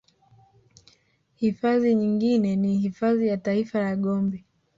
Hifadhi nyingine ni hifadhi ya taifa ya Gombe